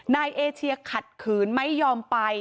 นายเอเชียขัดขืนไม่ยอมไป